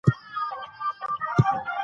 د ارزونې بهیر دوه ګونی او پټ دی.